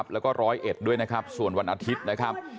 แล้วก็ร้อยเอ็ดด้วยนะครับส่วนวันอาทิตย์นะครับ